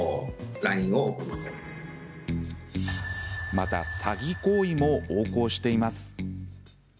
また、詐欺行為も横行しています。